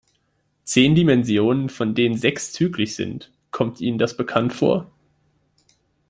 Zehn Dimensionen, von denen sechs zyklisch sind, kommt Ihnen das bekannt vor?